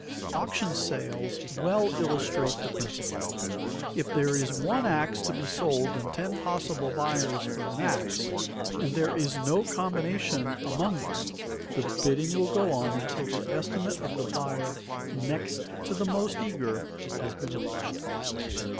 Auction sales well illustrate the principle. If there is one ax to be sold and ten possible buyers for an ax, and there is no combination among them, the bidding will go on until the estimate of the buyer next to the most eager, has been reached.